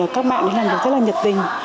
các bạn đã làm được rất là nhật tình